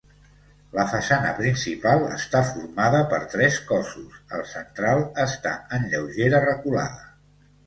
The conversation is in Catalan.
La façana principal està formada per tres cossos, el central està en lleugera reculada.